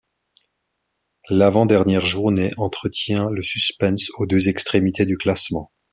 L'avant-dernière journée entretient le suspense aux deux extrémités du classement.